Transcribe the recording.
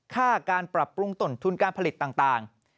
ค่าการปรับปรุงตนทุนการผลิตต่าง